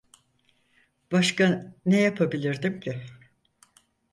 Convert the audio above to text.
Başka ne yapabilirdim ki?